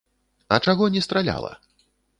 А чаго не страляла?